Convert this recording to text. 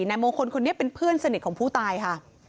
นายมงคลคนนี้เป็นเพื่อนสนิทของผู้ตายค่ะ